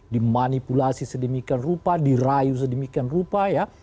dimanipulasi sedemikian rupa dirayu sedemikian rupa ya